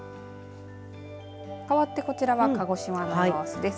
かわってこちらは鹿児島の様子です。